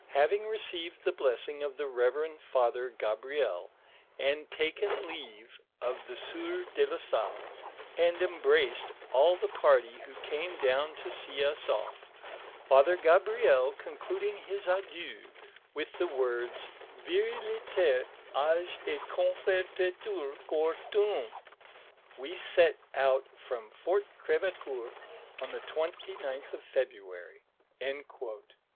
Having received the blessing of the reverend father Gabriel, and taken leave of the sieur de la Salle, and embraced all tiie party who came down to see us ofi; Father Gabriel concluding his adieu with the words, ' Viriliter age ct confortetur cor tuum,' we set out from Fort Crdveeoeur on the 29th of February," Ac.